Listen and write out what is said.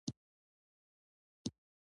ویده ذهن له خوښیو ډک وي